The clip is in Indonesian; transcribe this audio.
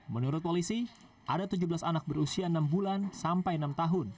menurut polisi ada tujuh belas anak berusia enam bulan sampai enam tahun